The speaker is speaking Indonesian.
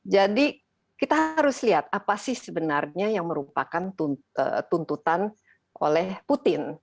jadi kita harus lihat apa sih sebenarnya yang merupakan tuntutan oleh putin